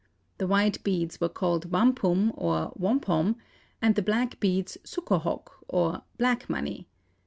The white beads were called wampum or wompom and the black beads suckauhock, or black money.